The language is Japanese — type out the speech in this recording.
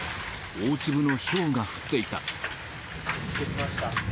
大粒のひょうが降っていた。